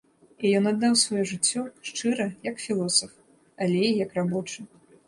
І ён аддаў сваё жыццё, шчыра, як філосаф, але і як рабочы.